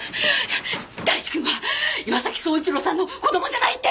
大地くんは岩崎宗一郎さんの子供じゃないって！